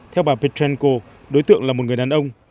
theo bà petronko đối tượng là một người đàn ông